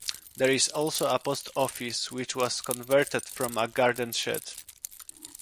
There is also a post office which was converted from a garden shed.